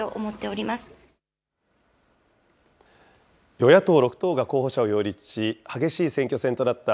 与野党６党が候補者を擁立し、激しい選挙戦となった、